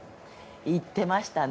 行ってましたね。